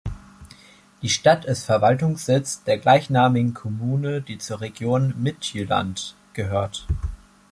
Die Stadt ist Verwaltungssitz der gleichnamigen Kommune, die zur Region Midtjylland gehört.